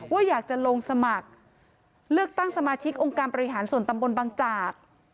ว่าอยากจะลงสมัครเลือกตั้งสมาชิกองค์การบริหารส่วนตำบลบังจาก